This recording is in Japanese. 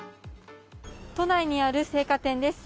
都内にある青果店です。